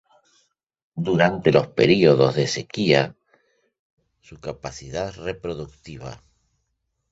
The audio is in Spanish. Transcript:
Durante los periodos de sequía, su capacidad reproductiva.